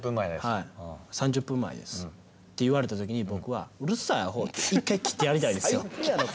３０分前ですって言われた時に僕はうるさいあほって１回切ってやりたいですよ。